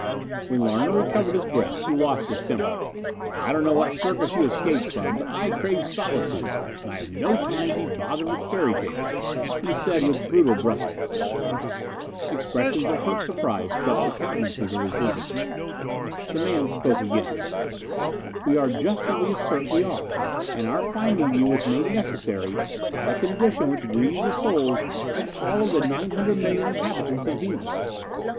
When Larner recovered his breath, he lost his temper. "I don't know what circus you escaped from, but I crave solitude and I have no time to be bothered with fairy tales," he said with brutal bruskness. Expressions of hurt surprise swept the countenances of his visitors. The man spoke again: "We are just what we assert we are, and our finding you was made necessary by a condition which grieves the souls of all the 900,000,000 inhabitants of Venus.